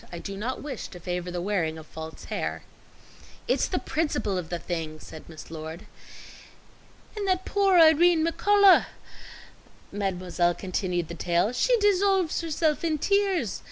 "I do not wish to favor the wearing of false hair." "It's the principle of the thing," said Miss Lord. "And that poor Irene McCullough," Mademoiselle continued the tale, "she dissolves herself in tears.